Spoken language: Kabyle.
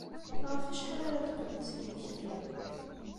Ɣef wacḥal ara d-qqlent seg yimekli?